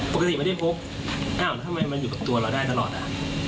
ปกติไม่ได้พบอ้าวแล้วทำไมมาอยู่กับตัวเราได้ตลอดอ่ะ